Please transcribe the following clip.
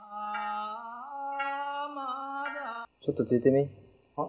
ちょっとついてみ。は？